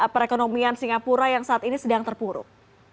perekonomian singapura yang saat ini sedang terpuruk